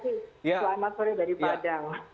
selamat sore dari padang